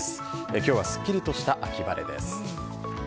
今日はすっきりとした秋晴れです。